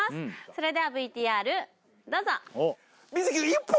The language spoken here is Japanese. それではＶＴＲどうぞ水着１本！